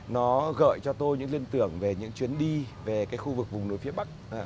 nó gợi cho tôi những liên tưởng về những chuyến đi về cái khu vực vùng núi phía bắc